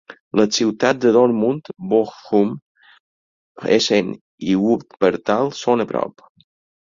Les ciutats de Dortmund, Bochum, Essen i Wuppertal són a prop.